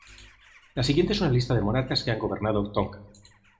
La siguiente es una lista de monarcas que han gobernado Tonga.